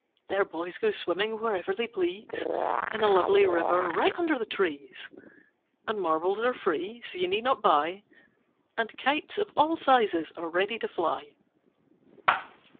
There boys go swimming whenever they please In a lovely river right under the trees. And marbles are free, so you need not buy; And kites of all sizes are ready to fly.